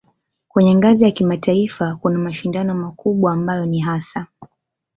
Kwenye ngazi ya kimataifa kuna mashindano makubwa ambayo ni hasa